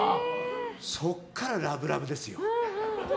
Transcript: そこからラブラブですよ。